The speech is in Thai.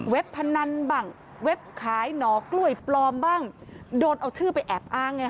พนันบ้างเว็บขายหนอกล้วยปลอมบ้างโดนเอาชื่อไปแอบอ้างไง